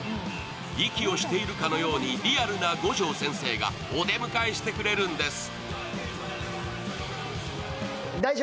息をしているかのようにリアルな五条先生がお出迎えしてくれるんです。